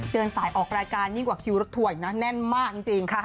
เดินสายออกรายการนิ่งกว่าคิวรถถ่วยนะแน่นมากจริง